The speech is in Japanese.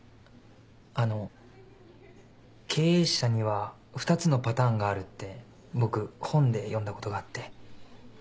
あの経営者には２つのパターンがあるって僕本で読んだことがあって。